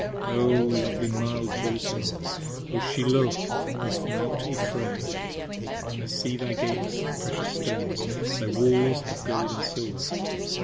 lovely mild Jerusalem! O Shiloh of Mount Ephraim! 1 see thy Gates of precious stones ; thy Walls of gold & silver.